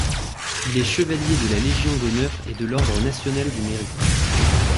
Il est chevalier de la Légion d'honneur et de l'ordre national du Mérite.